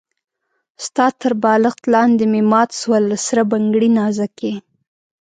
ستا تر بالښت لاندې مي مات سول سره بنګړي نازکي